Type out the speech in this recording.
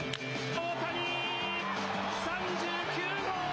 大谷、３９号！